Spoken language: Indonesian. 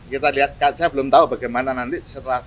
kita lihat saya belum tahu bagaimana nanti setelah